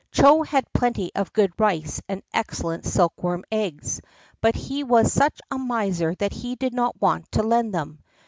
Chô had plenty of good rice and excellent silkworms' eggs, but he was such a miser that he did not want to lend them.